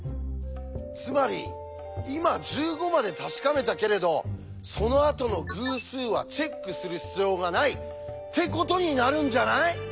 つまり今１５まで確かめたけれどそのあとの偶数はチェックする必要はない！ってことになるんじゃない？